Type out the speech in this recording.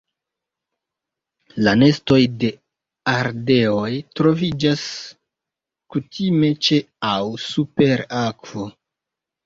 La nestoj de ardeoj troviĝas kutime ĉe aŭ super akvo.